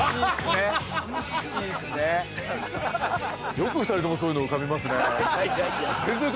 よく２人ともそういうの浮かびますね